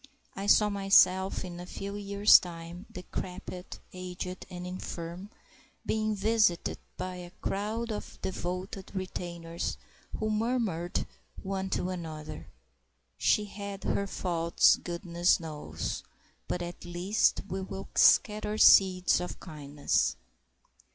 I saw myself in a few years' time, decrepit, aged, and infirm, being visited by a crowd of devoted retainers, who murmured one to another: "She had her faults, goodness knows, but at least we will scatter seeds of kindness!"